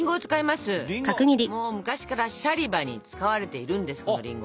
もう昔からシャリバに使われているんですこのりんご。